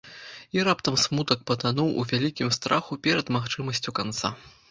І раптам смутак патануў у вялікім страху перад магчымасцю канца.